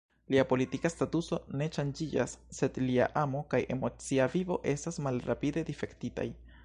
Lia politika statuso ne ŝanĝiĝas, sed lia amo kaj emocia vivo estas malrapide difektitaj.